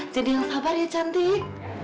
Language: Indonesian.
jadi yang sabar ya cantik